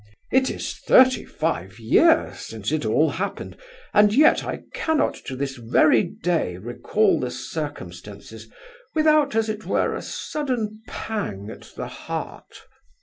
It is thirty five years since it all happened, and yet I cannot to this very day recall the circumstances without, as it were, a sudden pang at the heart.